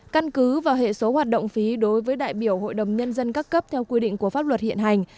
căn cứ vào hệ số hoạt động phí đối với đại biểu hội đồng nhân dân các cấp theo quy định của pháp luật hiện hành